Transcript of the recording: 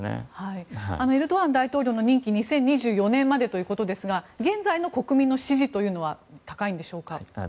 エルドアン大統領の任期は２０２４年までということですが現在の国民の支持は高いのでしょうか？